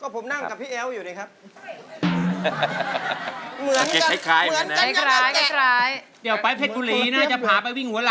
ผมนั่งกับพี่แอ๋วอยู่เลยครับ